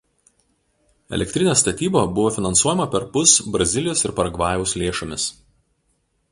Elektrinės statyba buvo finansuojama perpus Brazilijos ir Paragvajaus lėšomis.